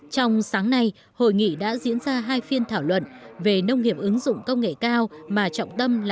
trong sáng nay hội nghị đã diễn ra hai phiên thảo luận về nông nghiệp ứng dụng công nghệ cao